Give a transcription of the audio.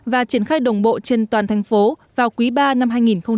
và triển khai đồng bộ trên toàn thành phố vào quý iii năm hai nghìn một mươi tám